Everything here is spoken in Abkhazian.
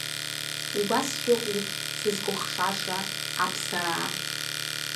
Абас шәыҟоуп, сызкәыхшаша, аԥсараа.